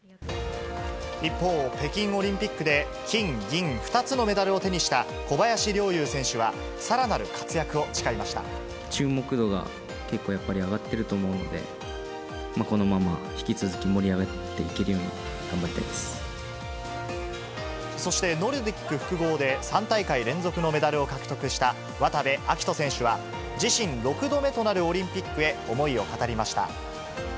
一方、北京オリンピックで、金、銀２つのメダルを手にした小林陵侑選手は、さらなる活躍を誓いま注目度が結構やっぱり、上がってると思うので、このまま引き続き盛り上がっていけるようそしてノルディック複合で、３大会連続のメダルを獲得した渡部暁斗選手は、自身６度目となるオリンピックへ、思いを語りました。